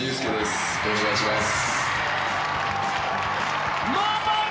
よろしくお願いします。